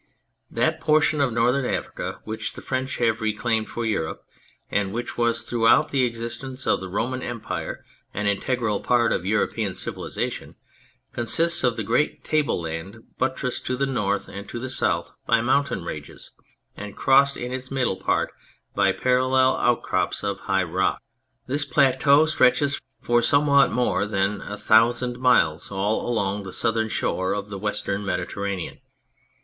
That portion of Northern Africa which the French have reclaimed for Europe, and which was throughout the existence of the Roman Empire an integral part of European civilisation, consists of the great table land buttressed to the north and the south by mountain ranges, and crossed in its middle part by parallel outcrops of high rock. This plateau stretches for somewhat more than a thousand miles all along the southern shore of the Western Medi terranean.